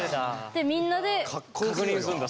でみんなで確認するんだ。